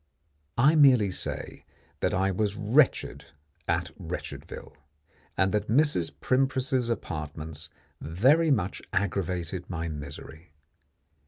I merely say that I was wretched at Wretchedville, and that Mrs. Primpris's apartments very much aggravated my misery.